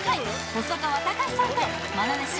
細川たかしさんとまな弟子